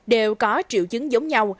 đều có triệu chứng giống nhau